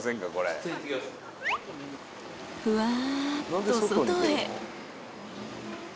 ［ふわっと外へ］